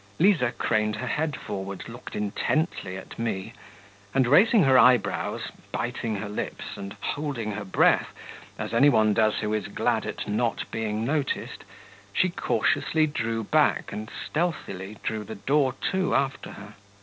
Liza craned her head forward, looked intently at me, and raising her eyebrows, biting her lips, and holding her breath as any one does who is glad at not being noticed, she cautiously drew back and stealthily drew the door to after her.